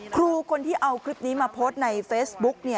ครูคนที่เอาคลิปนี้มาโพสต์ในเฟซบุ๊ก